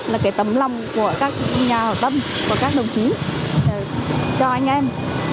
là cái tấm lòng của các nhà hào tâm và các đồng chí cho anh em